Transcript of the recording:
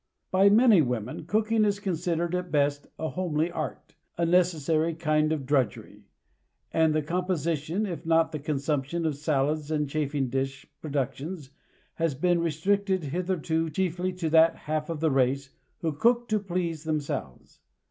By many women cooking is considered, at best, a homely art, a necessary kind of drudgery; and the composition, if not the consumption, of salads and chafing dish productions has been restricted, hitherto, chiefly to that half of the race "who cook to please themselves."